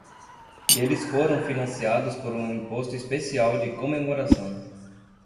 Eles foram financiados por um imposto especial de comemoração.